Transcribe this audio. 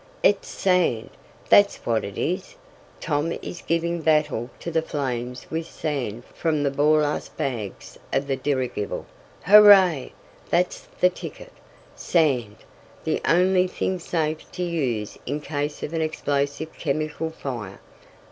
"It's sand, that's what it is! Tom is giving battle to the flames with sand from the ballast bags of the dirigible! Hurray? That's the ticket! Sand! The only thing safe to use in case of an explosive chemical fire.